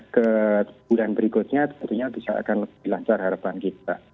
ke bulan berikutnya tentunya bisa akan lebih lancar harapan kita